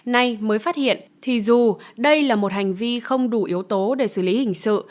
nay mới phát hiện thì dù đây là một hành vi không đủ yếu tố để xử lý hình sự